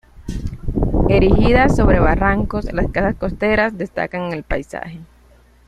Erigidas sobre barrancos, las casas costeras destacan en el paisaje.